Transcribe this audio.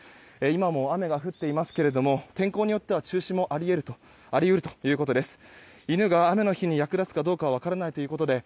今も雨が降っていますけれども天候によっては中止もあり得るということです。